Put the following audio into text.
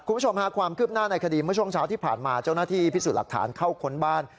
คุณผู้ชมค่ะความคืบหน้าในคดีเมื่อช่วงเช้าที่ผ่านมาเจ้าหน้าที่พิสูจน์หลักฐานเข้าค้นบ้าน